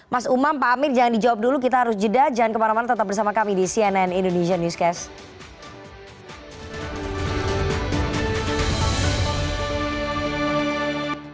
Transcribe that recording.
mas umam pak amir jangan dijawab dulu kita harus jeda jangan kemana mana tetap bersama kami di cnn indonesia newscast